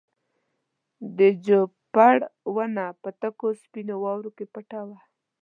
د جوپر ونه په تکو سپینو واورو کې پټه وه.